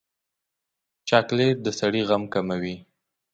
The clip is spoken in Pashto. چاکلېټ د سړي غم کموي.